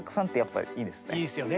いいですよね。